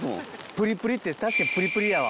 プリプリって確かにプリプリやわ。